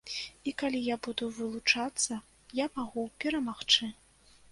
І калі я буду вылучацца, я магу перамагчы.